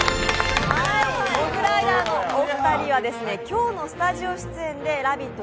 モグライダーのお二人は今日のスタジオ出演で「ラヴィット！」